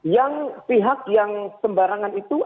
yang pihak yang sembarangan itu